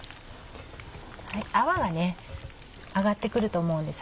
泡が上がって来ると思うんです。